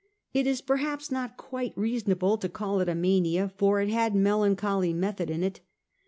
It is perhaps not quite reasonable to call it a mania, for it had melancholy method in it.